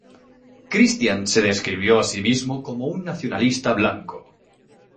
Christian se describió a sí mismo como un nacionalista blanco.